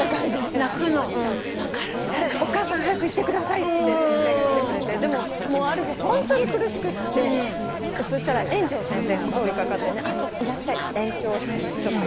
「お母さん早く行ってください」って先生が言ってくれてでもある日ホントに苦しくってそしたら園長先生が通り掛かってね「いらっしゃい」園長室にちょっと呼んでくれて。